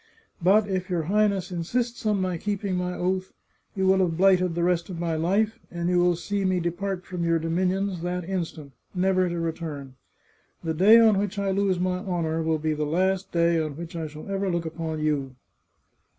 But if your Highness insists on my keeping my oath, you will have blighted the rest of my life, and you will see me depart from your dominions that instant, never to re turn. The day on which I lose my honour will be the last day on which I shall ever look upon you."